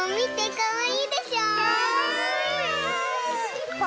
かわいい！